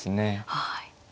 はい。